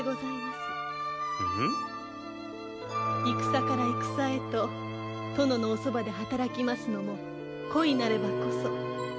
戦から戦へと殿のおそばで働きますのも恋なればこそ。